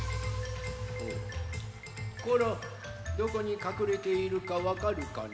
コロどこにかくれているかわかるかの？